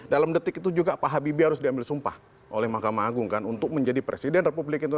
dalam detik itu juga pak habibie harus diambil sumpah oleh mahkamah agung kan untuk menjadi presiden republik indonesia